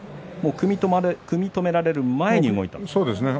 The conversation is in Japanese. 組み止められる前に動いたんですね。